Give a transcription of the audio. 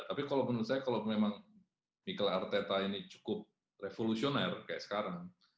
tapi kalau menurut saya kalau memang nikel arteta ini cukup revolusioner kayak sekarang